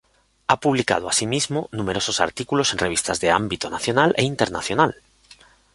Ha publicado asimismo numerosos artículos en revistas de ámbito nacional e internacional.